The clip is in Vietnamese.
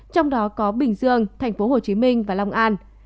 trong đó có bình dương tp hcm và long an